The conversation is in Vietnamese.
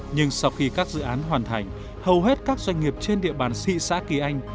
nhưng sau khi các dự án hoàn thành hầu hết các doanh nghiệp trên địa bàn thị xã kỳ anh